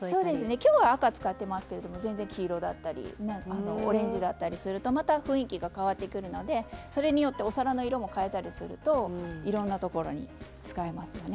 今日は赤、使ってますけど黄色だったりオレンジだったりまた雰囲気が変わってくるのでそれによってお皿の色を変えたりするといろんなところに使えますよね。